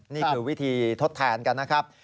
นี่คือวิธีทดแทนกันนะครับ